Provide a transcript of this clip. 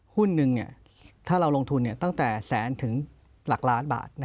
หุ้นหนึ่งถ้าเราลงทุนตั้งแต่แสนถึงหลักล้านบาท